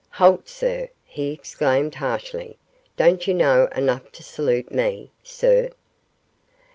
"Halt, sir!" he exclaimed harshly. "Don't you know enough to salute me, sir?"